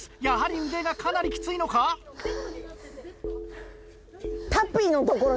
やはり腕がかなりきついのか？